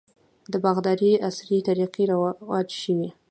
د باغدارۍ عصري طریقې رواج شوي.